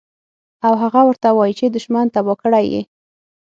او هغه ورته وائي چې دشمن تباه کړے ئې